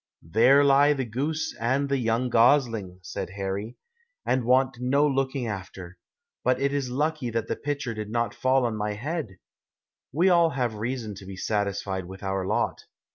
"There lie the goose and the young gosling," said Harry, "and want no looking after. But it is lucky that the pitcher did not fall on my head. We have all reason to be satisfied with our lot."